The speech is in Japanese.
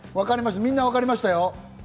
みんな分かりましたよ。